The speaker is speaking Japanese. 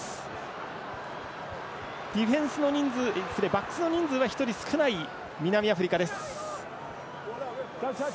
バックスの人数は１人少ない南アフリカです。